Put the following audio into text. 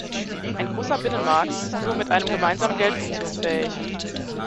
Ein großer Binnenmarkt ist nur mit einem gemeinsamen Geld funktionsfähig.